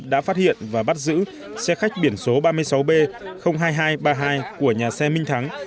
đã phát hiện và bắt giữ xe khách biển số ba mươi sáu b hai nghìn hai trăm ba mươi hai của nhà xe minh thắng